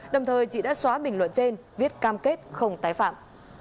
đồng thời chị đã xóa bình luận trên viết cam kết không tái phạm